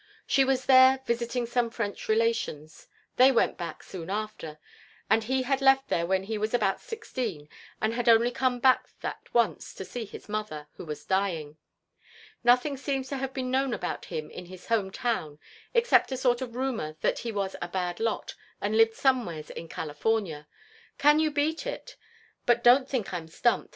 She was there, visiting some French relations they went back soon after and he had left there when he was about sixteen and had only come back that once to see his mother, who was dying. Nothing seems to have been known about him in his home town except a sort of rumor that he was a bad lot and lived somewheres in California. Can you beat it? But don't think I'm stumped.